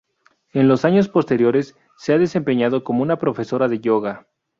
En los años posteriores se ha desempeñado como una profesora de yoga.